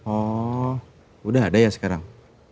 oh udah ada ya sekarang